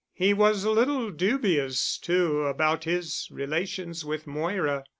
He was a little dubious too about his relations with Moira....